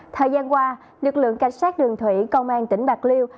thời gian qua lực lượng cảnh sát đường thủy công an tỉnh bạc liêu